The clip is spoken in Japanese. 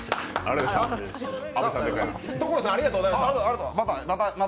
所さん、ありがとうございました。